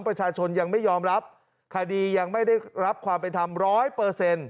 ประชาชนยังไม่ยอมรับคดียังไม่ได้รับความไปทำ๑๐๐